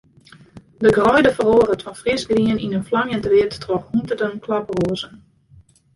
De greide feroaret fan frisgrien yn in flamjend read troch hûnderten klaproazen.